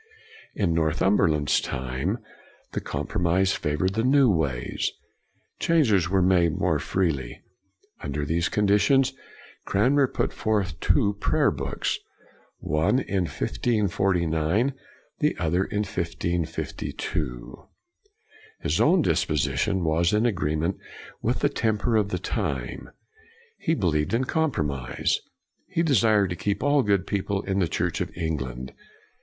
In Northumberland's time, the compromise favored the new ways; changes were made more freely. Under these conditions Cran mer put forth two prayer books, one in 1549, the other in 1552. His own dis position was in agreement with the temper of the time. He believed in compromise. He desired to keep all good people in the Church of England.